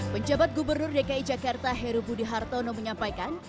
penjabat gubernur dki jakarta heru budi hartono menyampaikan